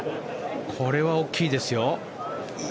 これは大きいですよ。